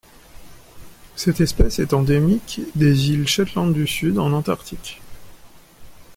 Cette espèce est endémique des îles Shetland du Sud en Antarctique.